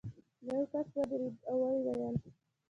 یو کس ودرېد او ویې ویل.